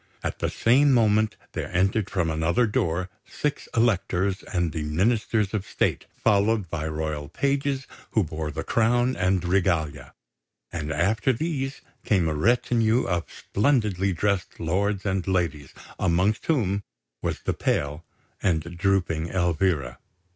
At the same moment there entered from another door six Electors and the Ministers of State, followed by royal pages who bore the crown and regalia; and after these came a retinue of splendidly dressed lords and ladies, amongst whom was the pale and drooping Elvira.